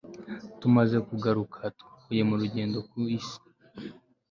tumaze kugaruka tuvuye mu rugendo ku isi